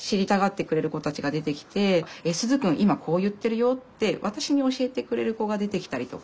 今こう言ってるよ」って私に教えてくれる子が出てきたりとか。